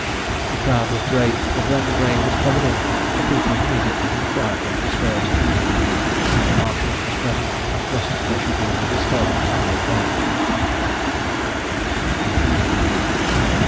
The crowd was great; but when the grave was covered in, the people immediately and quietly dispersed. The city marshal was present, lest there should be any disturbance on the occasion.